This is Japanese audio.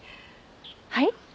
はい？